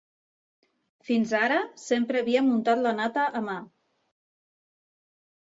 Fins ara, sempre havia muntat la nata a mà.